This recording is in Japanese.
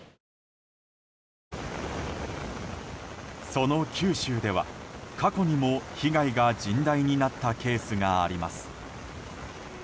その九州では過去にも被害が甚大になったケースがあります。